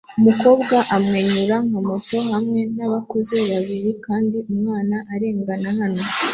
Umukobwa amwenyura nka moto hamwe nabakuze babiri kandi umwana arengana hano